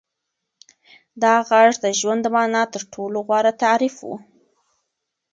دا غږ د ژوند د مانا تر ټولو غوره تعریف و.